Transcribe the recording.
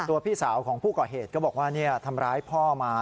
พี่สาวของผู้ก่อเหตุก็บอกว่าทำร้ายพ่อมา